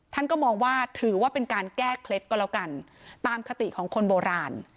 ท่านก็มองว่าถือว่าเป็นการแก้เคล็ดก็แล้วกันตามคติของคนโบราณ